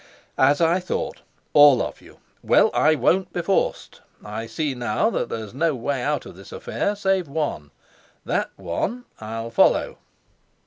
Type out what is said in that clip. "As I thought all of you! Well, I won't be forced. I see now that there's no way out of this affair, save one. That one I'll follow."